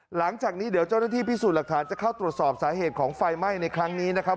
หลังจากนี้เดี๋ยวเจ้าหน้าที่พิสูจน์หลักฐานจะเข้าตรวจสอบสาเหตุของไฟไหม้ในครั้งนี้นะครับ